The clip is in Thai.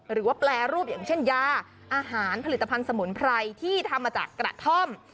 หรือว่าแปรรูปอย่างเช่นยาอาหารผลิตภัณฑ์สมุนไพรที่ทำมาจากกระท่อม